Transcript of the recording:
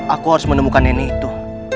aku harus menemukan nenek itu